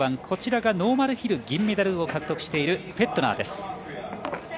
こちらがノーマルヒル銀メダルを獲得しているフェットナーです。